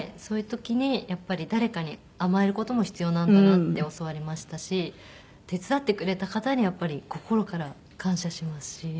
そういう時にやっぱり誰かに甘える事も必要なんだなって教わりましたし手伝ってくれた方にやっぱり心から感謝しますし。